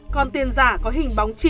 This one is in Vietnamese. còn tiền giả có hình bóng chìm